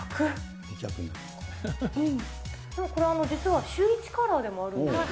これ、実はシューイチカラーでもあるんですよ。